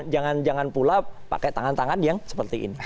jangan jangan pula pakai tangan tangan yang seperti ini